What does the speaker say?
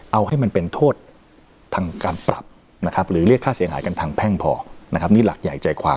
เอาให้มันเป็นโทษทางการปรับนะครับหรือเรียกค่าเสียหายกันทางแพ่งพอนะครับนี่หลักใหญ่ใจความ